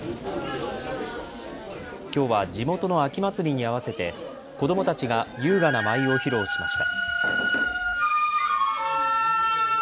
きょうは地元の秋祭りに合わせて子どもたちが優雅な舞を披露しました。